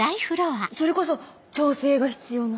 それこそ調整が必要な。